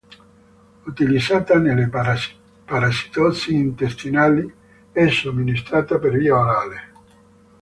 Utilizzata nelle parassitosi intestinali, è somministrata per via orale.